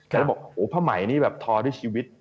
พี่บอกว่าพะไหมท้อด้วยชีวิต